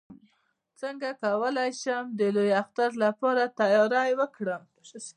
څنګه کولی شم د لوی اختر لپاره تیاری وکړم